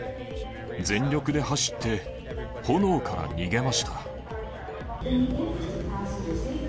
全力で走って、炎から逃げました。